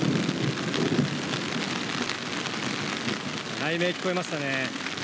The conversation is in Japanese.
雷鳴、聞こえましたね。